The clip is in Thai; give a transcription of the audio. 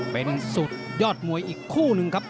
เป็นสุดยอดมวยอีกคู่หนึ่งครับ